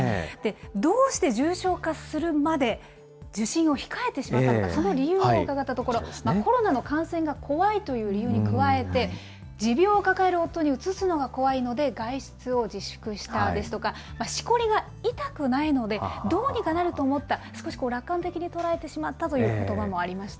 どうして重症化するまで受診を控えってしまったのか、その理由を伺ったところ、コロナの感染が怖いという理由に加えて、持病を抱える夫に、うつすのが怖いので、外出を自粛したですとか、しこりが痛くないので、どうにかなると思った、少し楽観的に捉えてしまったということばもありました。